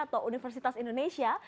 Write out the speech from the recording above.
atau universitas indonesia